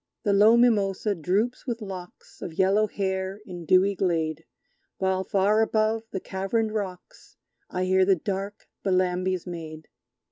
The low mimosa droops with locks Of yellow hair, in dewy glade, While far above the caverned rocks I hear the dark Bellambi's Maid!